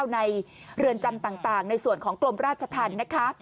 ในเรือนจำต่างในส่วนของกรมราชธรรมนะคะ